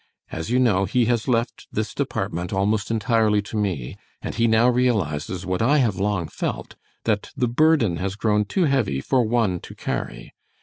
As you know, he has left this department almost entirely to me, and he now realizes what I have long felt, that the burden has grown too heavy for one to carry.